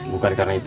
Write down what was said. bukan karena itu